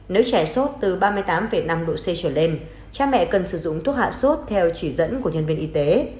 nếu trẻ sốt từ ba mươi tám năm độ c trở lên cha mẹ cần sử dụng thuốc hạ sốt theo chỉ dẫn của nhân viên y tế